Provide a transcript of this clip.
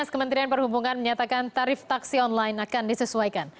kementerian perhubungan menyatakan tarif taksi online akan disesuaikan